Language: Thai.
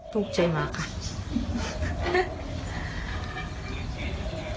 ทุกข์ใจมากค่ะ